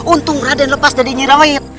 untung raden lepas dari nyerawet